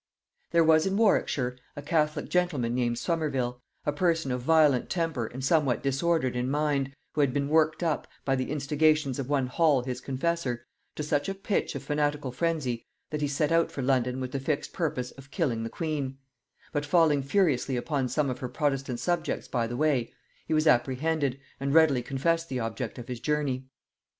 There was in Warwickshire a catholic gentleman named Somerville, a person of violent temper and somewhat disordered in mind, who had been worked up, by the instigations of one Hall his confessor, to such a pitch of fanatical phrensy, that he set out for London with the fixed purpose of killing the queen; but falling furiously upon some of her protestant subjects by the way, he was apprehended, and readily confessed the object of his journey.